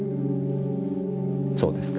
そうですか。